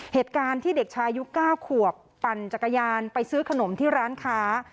เหตุการณ์ที่เด็กชายุค๙ขวบปั่นจักรยานไปซื้อขนมที่ร้านค้า